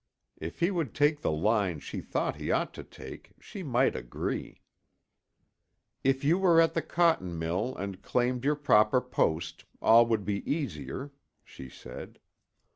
If he would take the line she thought he ought to take, she might agree. "If you were at the cotton mill and claimed your proper post, all would be easier," she said.